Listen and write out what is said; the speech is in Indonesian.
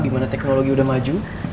dimana teknologi udah maju